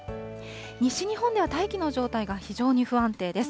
西日本では大気の状態が非常に不安定です。